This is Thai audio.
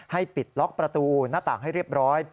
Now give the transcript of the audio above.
ปิดล็อกประตูหน้าต่างให้เรียบร้อย